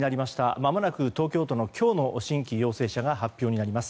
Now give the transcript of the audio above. まもなく東京都の今日の新規陽性者が発表になります。